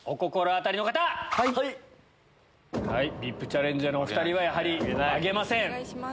ＶＩＰチャレンジャーのお２人はやはり挙げません。